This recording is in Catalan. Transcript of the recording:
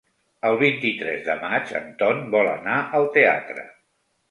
El vint-i-tres de maig en Ton vol anar al teatre.